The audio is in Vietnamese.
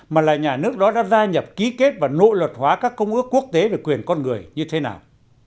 mà là nhà nước đó đã gia nhập ký kết và nội luật hóa các công ước quốc tế về quyền con người như thế nào